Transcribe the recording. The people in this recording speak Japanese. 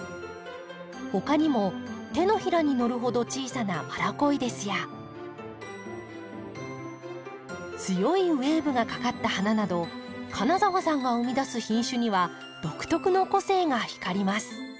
他にも手のひらにのるほど小さなマラコイデスや強いウエーブがかかった花など金澤さんが生み出す品種には独特の個性が光ります。